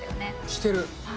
してる。